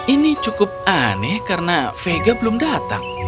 ini cukup aneh karena vega belum datang